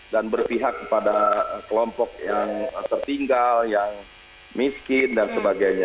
dan berpihak kepada kelompok yang tertinggal yang miskin dan sebagainya